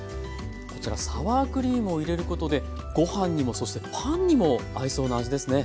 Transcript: こちらサワークリームを入れることでご飯にもそしてパンにも合いそうな味ですね。